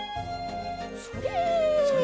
それ。